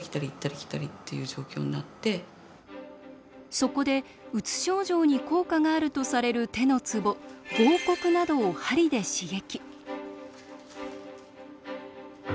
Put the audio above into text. そこでうつ症状に効果があるとされる手のツボ合谷などを鍼で刺激。